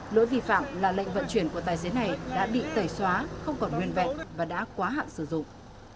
lỗi vi phạm là lệnh vận chuyển của tài xế này đã bị tẩy xóa không còn nguyên vẹn và đã quá hạn sử dụng